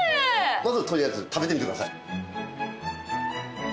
どうぞとりあえず食べてみてください。